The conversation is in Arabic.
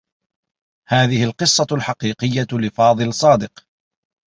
هذه القصّة الحقيقيّة لفاضل صادق.